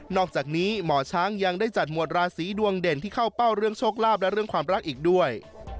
อกจากนี้หมอช้างยังได้จัดหมวดราศีดวงเด่นที่เข้าเป้าเรื่องโชคลาภและเรื่องความรักอีกด้วย